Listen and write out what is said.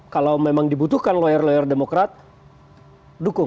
kalau memang dibutuhkan lawyer lawyer demokrat dukung